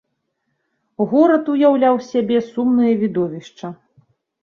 Горад уяўляў з сябе сумнае відовішча.